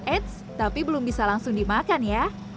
eits tapi belum bisa langsung dimakan ya